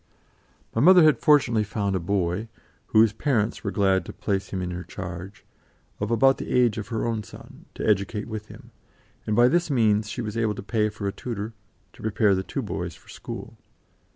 My mother had fortunately found a boy, whose parents were glad to place him in her charge, of about the age of her own son, to educate with him; and by this means she was able to pay for a tutor, to prepare the two boys for school.